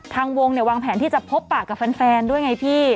ทางวงเนี่ยวางแผนที่จะพบปากกับแฟนด้วยไงพี่